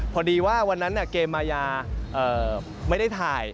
พอดีว่าวันนั้นเกมมายาไม่ได้ถ่าย